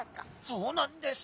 そうなんです。